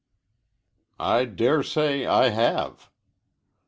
"I dare say I have."